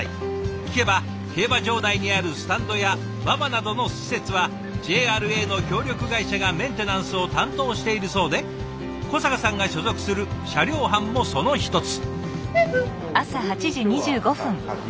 聞けば競馬場内にあるスタンドや馬場などの施設はＪＲＡの協力会社がメンテナンスを担当しているそうで小坂さんが所属する車両班もその一つ。